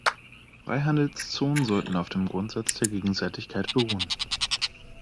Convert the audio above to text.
Freihandelszonen sollten auf dem Grundsatz der Gegenseitigkeit beruhen.